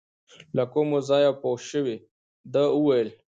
له کوم ځایه پوه شوې، ده ویل .